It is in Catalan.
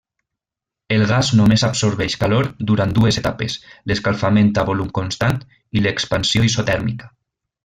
El gas només absorbeix calor durant dues etapes: l'escalfament a volum constant i l'expansió isotèrmica.